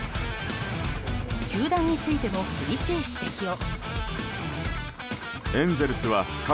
球団についても厳しい指摘を。